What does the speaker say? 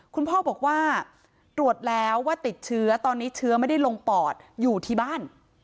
คุณพ่อบอกว่าตรวจแล้วว่าติดเชื้อตอนนี้เชื้อไม่ได้ลงปอดอยู่ที่บ้าน